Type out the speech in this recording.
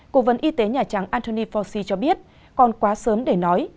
cố vấn y tế nhà trắng anthony fauci cho biết còn quá sớm để nói